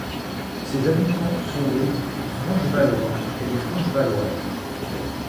Ses habitants sont les Franchevalois et les Franchevaloises.